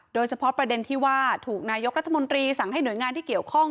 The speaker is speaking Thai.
โดยเฉพาะประเด็นที่ว่าถูกนายกรัฐมนตรีสั่งให้หน่วยงานที่เกี่ยวข้อง